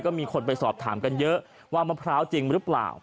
ก็มีคนไปสอบถามกันเยอะว่ามะพร้าวจริงหรือเปล่า